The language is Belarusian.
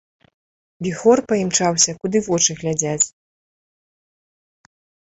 Віхор паімчаўся, куды вочы глядзяць.